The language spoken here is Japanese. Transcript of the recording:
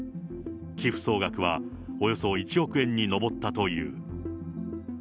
寄付総額はおよそ１億円に上ったという。